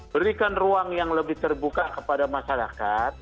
berikan ruang yang lebih terbuka kepada masyarakat